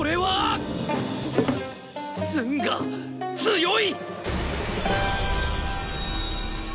んっツンが強い！